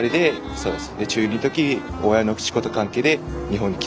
そうです。